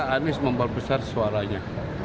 anis memperbesar suaranya